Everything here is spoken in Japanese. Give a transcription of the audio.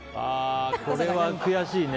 これは悔しいね。